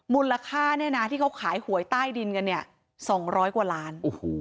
มูลค่าเนี่ยนะที่เขาขายหวยใต้ดินกันเนี่ย๒๐๐กว่าล้าน